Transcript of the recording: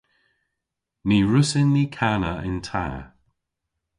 Ny wrussyn ni kana yn ta.